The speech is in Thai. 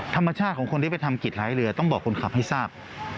ธรรมชาติของคนที่ไปทำกิจร้ายเรือต้องบอกคนขับให้ทราบ